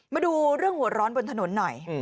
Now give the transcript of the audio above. มาดูเรื่องหัวร้อนบนถนนหน่อย